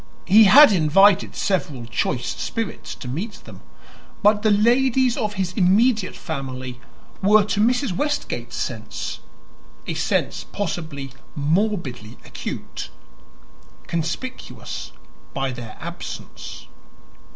He had invited several choice spirits to meet them; but the ladies of his immediate family were to Mrs. Westgate's sense a sense possibly morbidly acute conspicuous by their absence.